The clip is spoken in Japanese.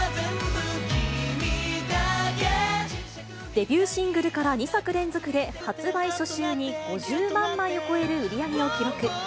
デビューシングルから２作連続で、発売初週に５０万枚を超える売り上げを記録。